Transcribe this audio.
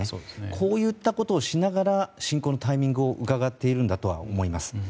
こういったことをしながら侵攻のタイミングをうかがっているんだと思います。